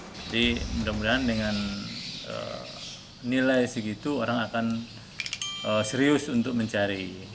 jadi mudah mudahan dengan nilai segitu orang akan serius untuk mencari